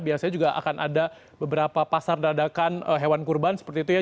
biasanya juga akan ada beberapa pasar dadakan hewan kurban seperti itu ya